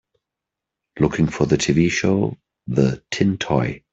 Looking for the TV show the Tin Toy